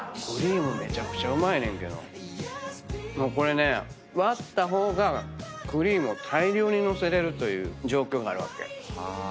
これね割った方がクリームを大量に載せれるという状況があるわけ。